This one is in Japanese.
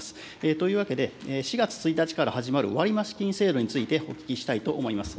というわけで、４月１日から始まる割増金制度についてお聞きしたいと思います。